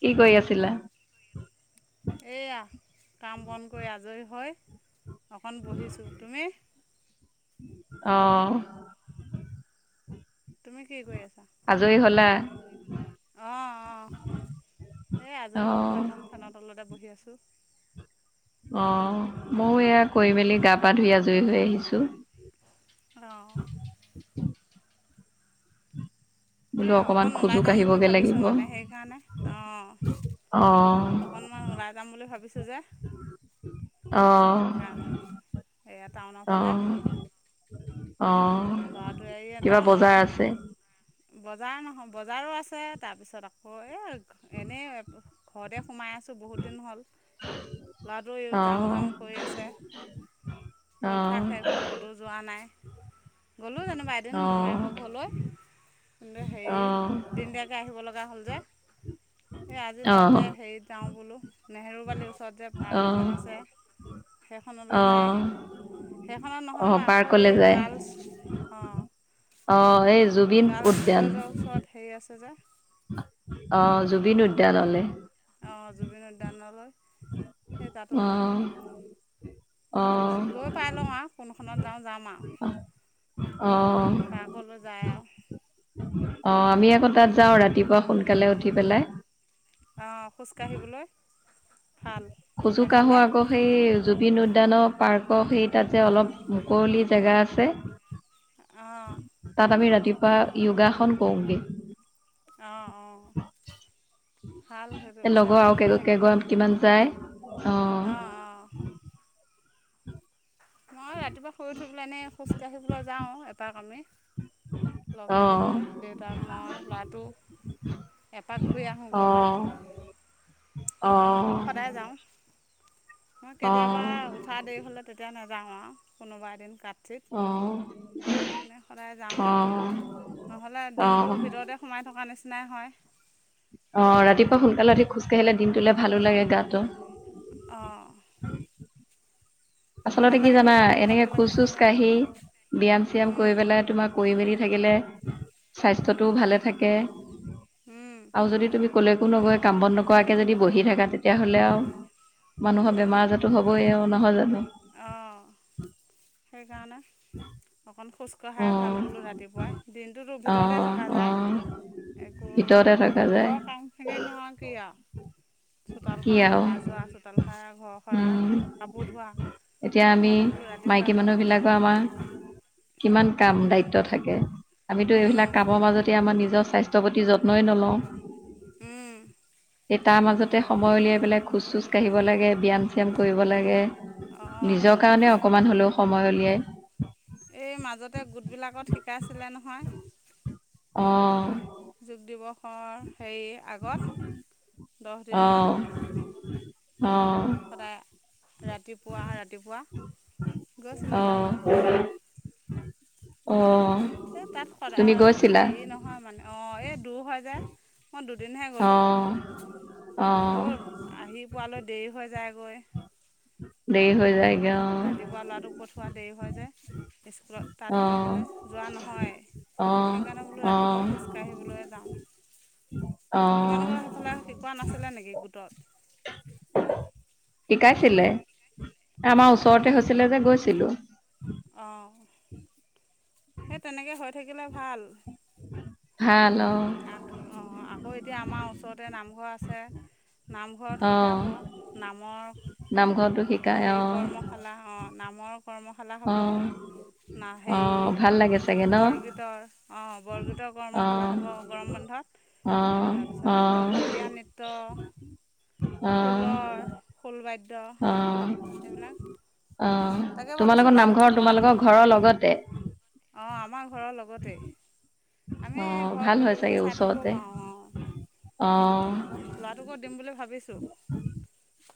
কি কৈ আছিলা? এইয়া কাম বন কৰি আজৰি হয় অকন বহিছো। তুমি? অহ। তুমি কি কৰি আ আজৰি হ'লা? অ অ এই আজৰি হৈ অ', বোলো অকন ফেনৰ তলতে বহি আছ টো। অ' মো এয়া কৰি মেলি গা পা ধুই আজুৰি হৈ আহিছোঁ। অহ' বোলো এই অকমান অকণ খোজো ওলাই যাম বুলি কাঢ়িবগে ভাবিছোঁ। লাগিব। মানে সেইকাৰণে অ' অ', অকণমান ওলাই যাম বুলি ভাবিছোঁ যে সেইকাৰণে অহ' এয়া টাউনৰ ফালে অহ' ল'ৰাটোৱে এয়া আছে? টাউনত বজাৰ নহয় বজাৰো আছে। তাৰপিছত আকৌ এই এনেই ঘৰতে সোমাই আছোঁ বহুত দিন হ'ল। ল'ৰাটোও যাওঁ অ', যাওঁ কৰি আছে। অ', পৰীক্ষা শেষ হ'ল ক'তো যোৱা নাই। গ'লো যেনিবা এদিন অ', মোৰ মোমায়েকৰ অ', ঘৰলৈ, কিন্তু হেৰি দিনদিয়াকৈ আহিব লগা যোৱা হ'ল যে আজি অ', তাতে হে ই যাওঁ বোলো নেহেৰুবালি ওচ ৰত যে পাৰ্ক অ', এখন আছে। হেইখনলৈ যায় অ', হেইখনত নহ'লে বা আকৌ এই গাৰ্লছ অঁ অহ' এই জুবিন উদ্যান পাঁচ হেজাৰ অ' জুবিন উদ্যানলৈ অ', জুবিন উদ্যানলৈ সেই তাতো যাম অ', গৈ পাই লওঁ আও কোনখনত যাওঁ যাম অ', আৰু অ', পাৰ্কলৈ যায় আৰু অ', আমি আকৌ তাত যাওঁ ৰাতিপুৱা সোনকালে উঠি পেলাই অ', খোজ কাঢ়িবলৈ খোজো কাঢ়ো আকৌ সেই জুবিন উদ্যানৰ পাৰ্কৰ সেই তাতে অলপ মুকলি জেগা আছে অ', তাত আমি ৰাতিপুৱা যোগাসন কৰোগে অ', - অ', লগৰ আও কেই কেইগৰাকী কিমান যায় অ', - অ', মই ৰাতিপুৱা শুই উঠি এনে খোজ কাঢ়িবলৈ যাও এপাক আমি লগ লাগি অ', পেলাই দেউতাক, মই, ল'ৰাটো এপাক ঘূৰি অ', আহোঁগৈ অ', মানে অ', সদায় যাওঁ মই অ', কেতিয়াবা উঠা দেৰি হ'লে তেতিয়া নাযাও আৰু কোনোবা এদিন কাট ঠিক সদায় যাওঁ অ', নহ'লে অ', দিনটোৰ ভিতৰতে সোমাই থকা নিচিনা নিচিনাই হয় অ', ৰাতিপুৱা সোনকালে উঠি খোজকাাঢ়িলে দিনটোলে ভালো লাগে গাটো অ', আচলতে কি জানা পাতল এনেকে পাতল লাগি খোজ- চোজ থাকে অঁ কাঢ়ি ব্যায়াম -চিয়াম উম কৰি পেলাই তোমাৰ কৰি মেলি থাকিলে স্বাস্থ্যটোও ভালে থাকে উম আৰু যদি তুমি কলৈকো নগৈ কাম বন নকৰাকে যদি বহি থাকা তেতিয়াহ'লে আও মানুহৰ বেমাৰ আজাৰটো হ'বয়ে এহ নহয় জানো অ', সেইকাৰণে অকণ খোজ অ কঢ়াই ভাল বোলো ৰাতিপুৱাই দিনটোতো অ ভিতৰতে থকা অ যায় একো ভিতৰতে থকা যায় ঘৰৰ কামখিনি নো আও কি আও কি চোতালখন আৰু অহা যোৱা, চোতাল সাৰা, ঘৰ সাৰা উম কাপোৰ ধোৱা এতিয়া আমি সেইকাৰণে বোলো ৰাতিপুৱা মাইকী অকণ মানুহ বিলাকৰ আমাৰ কিমান কাম দায়িত্ব থাকে আমিতো এইবিলাক কামৰ মাজতে আমাৰ নিজৰ স্বাস্থ্যৰ প্ৰতি যত্নই নলওঁ উম সেই তাৰ মাজতে সময় উলিয়াই পেলাই খোজ চোজ কঢ়িব লাগে ব্যায়াম চিয়াম কৰিব লাগে। অঁ নিজৰ কাৰণে অকণমান হ'লেও সময় উলিয়াই গোটেই মাজতে গোটবিলাকত শিকাইছিলে নহয় অ', যোগ দিৱসৰ হেৰি আগত দহদিনমান অ', সদায় ৰাতিপুৱা-ৰাতিপুৱা গৈছিলোঁ তাত। অ', এহ তাত তুমি সদায় গৈছিলা হেৰি নহয় মানে অ', এই দুৰ হয় যে মই দু দুদিনহে অ গ'লোঁ অ আকৌ আহি পোৱালৈ দেৰি হৈ যায়গৈ। দেৰি হৈ যায়। ৰাতিপুৱা ল'ৰাটোৰ পঠোৱা দেৰি হয় যায়। স্কুলত তাত অ থাকিলে যোৱা নহয় অ সেইকাৰণে বোলো অ ৰাতিপুৱা খোজকাাঢ়িবলৈ অ যাওঁ। তোমালোকৰ সেইফালে শিকোৱা নাছিলে নেকি গোটত শিকাইছিলে আমাৰ অঁ ওচৰতে হৈছিলে যে গৈছিলোঁ। অঁ। সেই তেনেকে হৈ থাকিলে ভাল। ভাল অঁ অঁ আকৌ এতিয়া আমাৰ ওচৰতে নামঘৰ আছে। নামঘৰত শিকাব নামৰ নামঘৰটো শিকায় হেৰি অ। কৰ্মশালা অঁ নামৰ কৰ্মশালা অ হ'ব। না অ ভাল লাগে চাগে হেৰি ন বৰগীতৰ অঁ বৰগীতৰ অ কৰ্মশালা হ'ব। গৰম বন্ধত, অ অ তাৰপিছত আকৌ সত্ৰীয়া নৃত্য অ খোলৰ খোল বাদ্য অ এইবিলাক। অ তোমালোকৰ নামঘৰ তোমালোকৰ ঘৰৰ লগতে? অঁ আমাৰ ঘৰৰ লগতে। অ আমি ভাল ঘৰত হয় বহি বহি চাগে চাই থাকিব ওচৰতে পাওঁ আওঁ। অ তেনেকুৱা ল'ৰাটোকো দিম বুলি ভাবিছোঁ।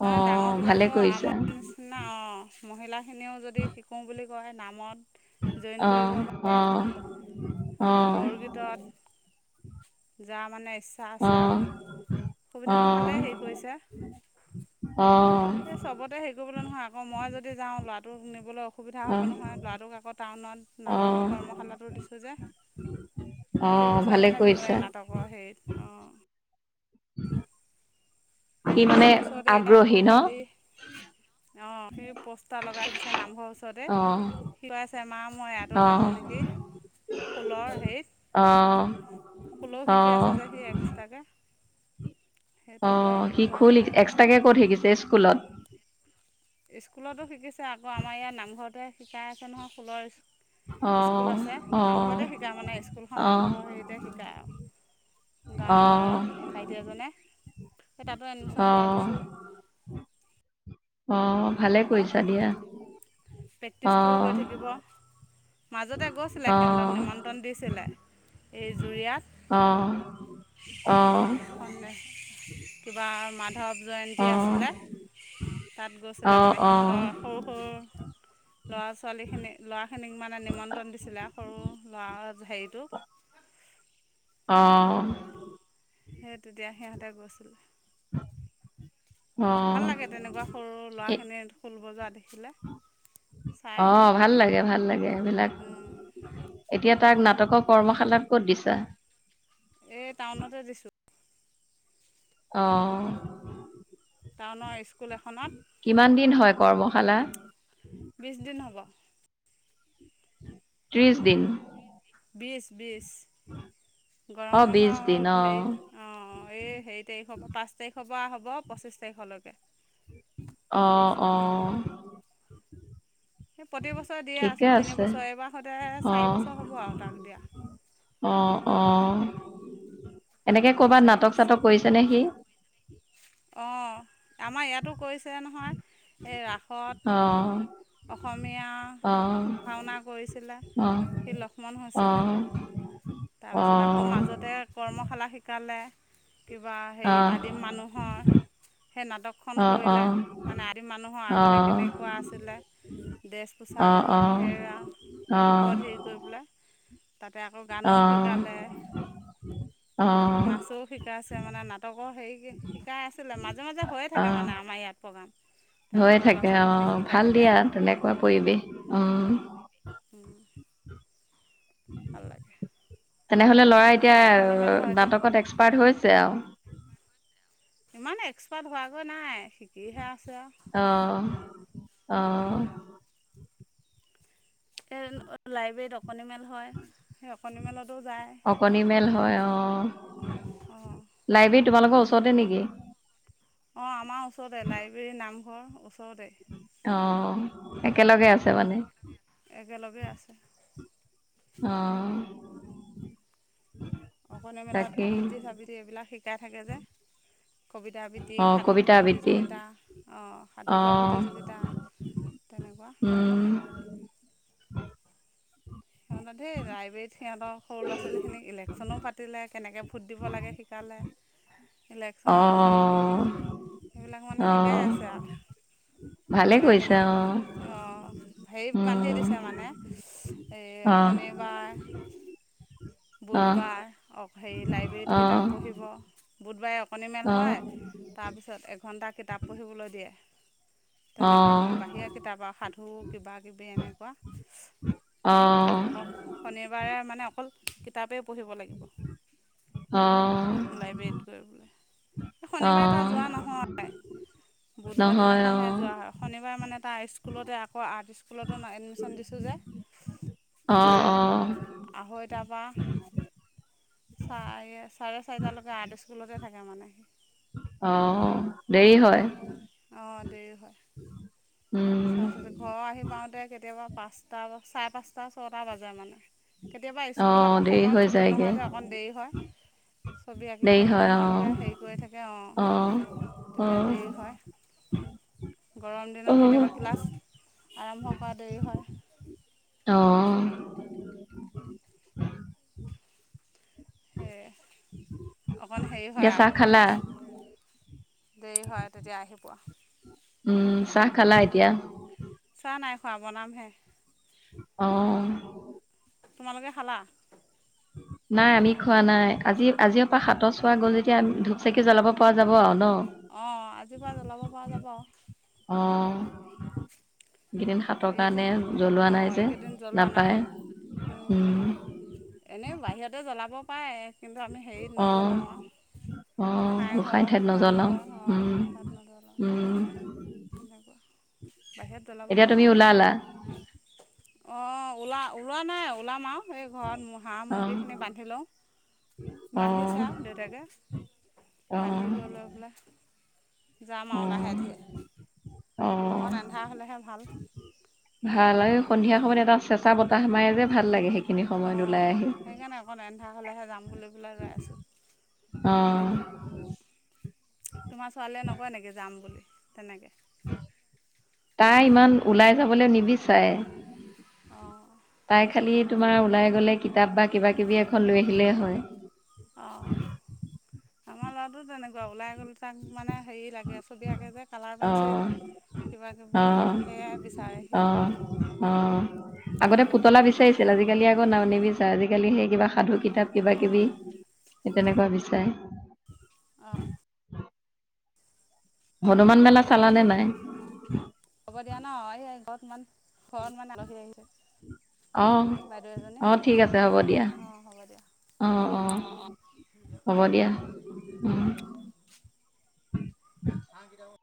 অ ডাঙৰ ভালে বিলাকৰ কৰিছা আমাৰ নিচিনা অঁ। মহিলাখিনিও যদি শিকো বুলি কয় নামত জইন কৰিব অহ', পাৰে অহ', অহ', যা মানে ইচছা অ অ আছে আৰু সুবিধাটো ভালেই হেৰি কৰিছে। অ সেই চবতে হেৰি কৰিবলৈ নহয় আকৌ মই যদি যাও ল'ৰাটোক নিবলৈ অসুবিধা হ'ব নহয় ল'ৰাটোক আকৌ টাউনত অ অ নাটকৰ কৰ্মশালাটো দিছোঁ যে। অ প্ৰতিবছৰ ভালে মানে কৰিছা দিওঁৱেই নাটকৰ হেৰিত অ, সেই সি মানে নামঘৰ ওচৰতে এতিয়া আকৌ আগ্ৰহী ন কালি অ, সি পোষ্টাৰ লগাই থৈ দিছে নামঘৰ ওচৰতে। অ সি কৈ আছে মা মই ইয়াতো অ অ যাম নেকি। খোলৰ হেৰিত খোলো অ শিকি আছে যে সি এক্সট্ৰাকে। সেই তা অ, সি খোল এক্সট্ৰাকে ক'ত শিকিছে স্কুলত? স্কুলতো শিকিছে আকৌ আমাৰ ইয়াত নামঘৰতে শিকাই আছে নহয় অ ফুলৰ স্কুল আছে অ নামঘৰতে শিকা মানে স্কুলখন অ নামঘৰ হেৰিতে শিকা আৰু। গাঁৱে অঁ ভাইটি এজনে সেই তাতো এডমিশ্বন দিয়াই অঁ দিছোঁ। অ, ভালে অকল কৰিছা দিয়া। প্ৰেক্টিচটোও হৈ অঁ থাকিব। মাজতে গৈছিলে সিহঁতক অঁ নিমন্ত্ৰণ দিছিলে এই অঁ জুৰিয়াত। অঁ [unintelligible] কিবা মাধৱ জয়ন্তী অঁ আছিলে তাত গৈছিলে অঁ মানে অঁ সিহঁতৰ সৰু-সৰু ল'ৰা-ছোৱালীখিনিক ল'ৰাখিনিক মানে নিমন্ত্ৰণ দিছিলে সৰু ল'ৰা হেৰিটো [inaudible] অ'। সেই, তেতিয়া সিহঁতে গৈছিলে। অঁ ভাল লাগে, তেনেকুৱা সৰু এই ল'ৰাখিনিৰ খোল বজোৱা দেখিলে। চাই অ', ভাল লাগে, ভাল লাগে সেইবিলাক। এতিয়া তাক নাটকৰ কৰ্মশালাত ক'ত দিছা? এই টাউনতে দিছোঁ। অ'। টাউনৰ ইস্কুল এখনত। কিমান দিন হয় কৰ্মশালা। বিচ দিন হ'ব। ত্ৰিছ দিন। বিছ, বিছ। গৰম অঁ বন্ধৰ বিছ দিন অ' অঁ হেৰি অ' অ' এই হেৰি তাৰিখৰ পৰা পাঁচ তাৰিখ খৰ পৰা হ'ব পঁচ্ছিশ তাৰিখলৈকে। বিছ অ' অ'। সি প্ৰতি বছৰে দিয়ে আছোঁ। আছে তিনিবছৰ, এইবাৰ স'তে চাৰি বছৰ হ'ব আৰু তাক দিয়া। অ' অ'। এনেকে ক'ৰবাত চাৰি নাটক চাটক কৰিছে নে সি? অ' আমাৰ ইয়াতো কৈছে নহয়, এই ৰাস অহ' অসমীয়া ভাওনা কৰিছিলে। অঁ সি লক্ষ্মণ হৈছিলে। তাৰপিছত আকৌ মাজতে কৰ্মশালা শিকালে। কিবা হেৰি আদিম মানুহৰ। সেই নাটকখন কৰিলে মানে আদিম মানুহৰ আগতে কেনেকুৱা আছিলে। ড্ৰেছ পোছাক হেৰা ওপৰত হেৰি কৰি পেলাই। তাকে আকৌ গানো শিকালে। নাচো শিকাইছে মানে। নাটকৰো হেৰি শিকাই আছিলে। মাজে মাজে হৈয়ে থাকে মানে আমাৰ ইয়াত। প্ৰগাম। হৈ থাকে, অ' ভাল দিয়া তেনেকুৱা পৰিৱেশ অ'। উম। ভাল লাগে। তেনে হ'লে ল'ৰা আকৌ অকণিমেল এতিয়া হয় যে নাটকত এক্সপাৰ্ট হৈছে আৰু ইমান এক্সপাৰ্ট হোৱাগৈ নাই শিকিহে আছ অহ' অহ'। এন অহ' লাইব্ৰেৰীত অকন অকণি মেল হয়। সেই অকণি মেলতো যায়। অকণি মেল হয় অ অ'। লাইব্ৰেৰী তোমালোকৰ ওচৰতে নেকি? অ' আমাৰ ওচৰতে লাইব্ৰেৰী নামঘৰ ওচ অ' একেলগে আছে মানে? একেলগে আছে। অহ' অকণীয়া মেলত আবৃত্তি চাবিতি এইবিলাক শিকাই থাকে যে কবিতা আবৃত্তি, অ সাধু কবিতা কোৱা আবৃত্তি প্ৰতিযোগিতা, অ' সাধু অ কোৱা প্ৰতিযোগিতা। তেনেকুৱা উম সিহঁতৰ ধেই ৰাইব্ৰেৰীত সিহঁত সৰু ল'ৰা ছোৱালী খিনিক ইলেকশ্যনো পাতিলে কেনেকে বুট দিব লাগে শিকালে। ইলেকশ্যনৰ হেৰি অ এইবিলাক মানে শিকাই আছে অ', আহ ভালে কোনে কৰিছা কেনেকৈ অ', কি অ' হেৰিত বান্ধি উম, দিছে মানে। এই অ', শনিবাৰ অ', বুধবাৰ হেৰি অ' লাইব্ৰেৰীত অ', অ', কিতাপ পঢ়িব বুধবাৰে অকণিমেল অ', হয়। তাৰপিছত এঘণ্টা কিতাপ পঢ়িবলৈ দিয়ে। তেনেকে মানে বাহিৰা কিতাপ আৰু সাধু কিবা কিবি এনেকুৱা। তে অ', আকৌ শনিবাৰে মানে অকল কিতাপেই পঢ়িব লাগিব। অ', লাইব্ৰেৰীত গৈ বোলে। এই শনিবাৰে তাৰ অ', যোৱা নহয়। বুধবাৰ নহয় দিনাখনহে অ', যোৱা হয়। শনিবাৰে মানে তাৰ স্কুলতে আকৌ আৰ্ট স্কুলতো এডমিশ্যন দিছোঁ যে। অহ' অহ' হৈৰ তাৰপৰা চাৰে চাৰে চাৰিটালৈকে আৰ্ট স্কুলতে থাকে মানে। অহ' দেৰি হয়। চাৰ উম, চি ঘৰ আহি পাওঁতে কেতিয়াবা পাঁচটা চাৰে পাঁচটা ছটা বাজে মানে কেতিয়াবা স্কুল অ', আকৌ দেৰি সময়ত হৈ ছুটি যায়গে, নহয় যে অকণ দেৰি হয়। ছবি আঁকি দেৰি শেষ হয় নোহোৱালৈকে অ', হেৰি কৰি থাকে অ। তেতিয়া অ', দেৰি হয়। গৰম দিনত অ', কেতিয়াবা ক্লাছ আৰম্ভ কৰা দেৰি হয়। অ, হে চাহ খালা দেৰি হয় তেতিয়া আহি পোৱা। উম চাহ খালা এতিয়া চাহ নাই খোৱা বনামহে। আহ, তোমালোকে খালা। নাই আমি খোৱা নাই আজি আজি পৰা হাত চোৱা গ'ল যেতিয়া ধূপ চাকি জ্বলাব পৰা যাব আৰু ন অ আজিৰ পৰা জ্বলাব পৰা যাব অ, কেইদিন হাতৰ হেৰি যে কাৰণে জ্বলোৱা অঁ নাই যে এইকেইদিন জ্বলোৱা নাই নাপায় উম। এনেই বাহিৰতে জ্বলাব। পাৰে কিন্তু আমি হেৰিত নজ্বলাওঁ আৰু অ গোঁসাই ঘৰ ঠাইত নজ্বলাও নামঘৰ অঁ উম তাত নজ্বলাওঁ উম। সেনেকুৱা বাহিৰত জ্বলাব এতিয়া তুমি পাওঁ। [unintelligible] অ ওলা ওলোৱা নাই ওলাম আৰু এই ঘৰত হাঁহ অঁ মুৰ্গীখিনি বান্ধি লওঁ, অঁ বান্ধিছে আৰু দেউতাকে। অঁ বান্ধি গ লৈ পেলাই। যাম আৰু লাহে অঁ ধিৰে অঁ অকণ আন্ধা হ'লেহে ভাল। ভাল আৰু যাবলৈ সন্ধিয়া সময়ত এটা চেঁচা বতাহ মাৰে যে ভাল লাগে সেইখিনি সময়ত ওলাই আহি। কা হ'লেহে যাম বুলি পেলাই ৰৈ আছো। অ। তোমাৰ ছোৱালীয়ে নকয় নেকি যাম বুলি তেনেকে? তাই ইমান ওলাই যাবল নিবিচাৰে। অঁ তাই খালি তোমাৰ ওলাই গ'লে কিতাপ বা কিবা কিবি এখন লৈ আহিলেই হয়। অ আমাৰ ল'ৰাটো তেনেকুৱা ওলাই গ'লে তাক মানে হেৰি লাগ [unintelligible] ছবি আঁকে যে কালাৰ পেঞ্চিল কিবাকিবি অহ সেয়াই বিচাৰে সি অহ অহ। আগতে পুতলা বিচাৰিছিল আজিকালি আকৌ নিবিচাৰে আজিকালি সেই কিবা সাধু কিত তাপ কিবা অঁ কিবি সেই তেনেকুৱা বিচাৰে। অঁ অঁ হনুমান মেলা চালানে নাই? হ'ব দিয়া ন এই ঘৰত ইমান ঘৰত মানে আলহী আহিলে। অ অ ঠিক আছে হ'ব দিয়া, অঁ হ'ব দিয়া অ অ। হ'ব দিয়া উম। [unintelligible]